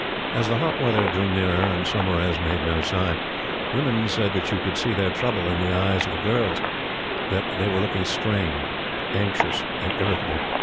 As the hot weather drew nearer, and Saumarez made no sign, women said that you could see their trouble in the eyes of the girls that they were looking strained, anxious, and irritable.